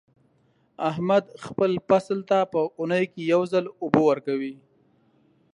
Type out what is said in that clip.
احمد خپل فصل ته په اونۍ کې یو ځل اوبه ورکوي.